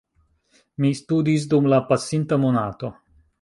Mi studis dum la pasinta monato.